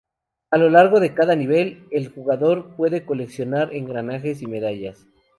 A lo largo de cada nivel, el jugador puede coleccionar engranajes y medallas.